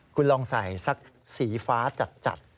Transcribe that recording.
คุณลองใส่สักสีฟ้าจัด